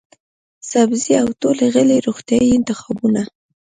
سبزۍ او ټولې غلې روغتیايي انتخابونه،